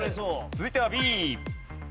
続いてはＢ。